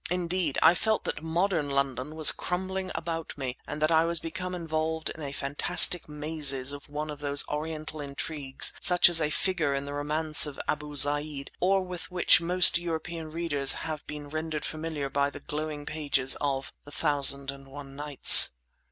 Indeed, I felt that modern London was crumbling about me and that I was become involved in the fantastic mazes of one of those Oriental intrigues such as figure in the Romance of Abu Zeyd, or with which most European readers have been rendered familiar by the glowing pages of "The Thousand and One Nights."